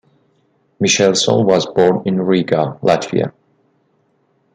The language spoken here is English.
Michelson was born in Riga, Latvia.